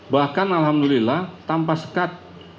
bahkan alhamdulillah tanpa sekat